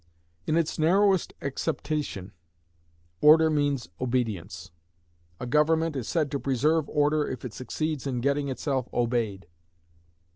In its narrowest acceptation, Order means Obedience. A government is said to preserve order if it succeeds in getting itself obeyed.